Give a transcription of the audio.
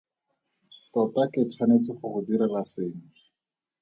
Tota ke tshwanetse go go direla sengwe.